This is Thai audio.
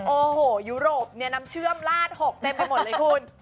โอ้โหยุโรปเนี่ยน้ำเชื่อมลาดหกเต็มไปหมดเลยคุณ